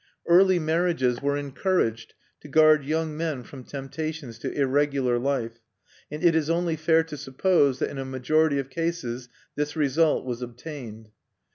Early marriages were encouraged to guard young men from temptations to irregular life; and it is only fair to suppose that in a majority of cases this result was obtained.